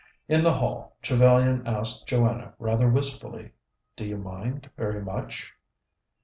In the hall, Trevellyan asked Joanna rather wistfully: "Do you mind very much?"